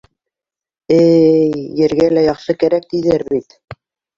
Э-й-й, ергә лә яҡшы кәрәк, тиҙәр бит.